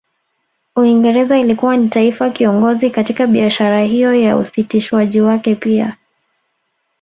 Uingereza ilikuwa ni taifa kiongozi katika biashara hiyo na usitishwaji wake pia